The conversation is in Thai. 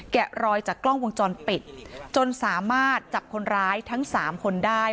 รอยจากกล้องวงจรปิดจนสามารถจับคนร้ายทั้งสามคนได้